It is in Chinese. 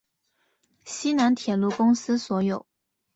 西南铁路公司所有。